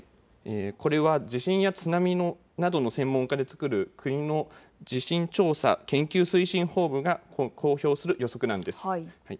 これは地震や津波などの専門家で作る国の地震調査研究推進本部が公表する予測です。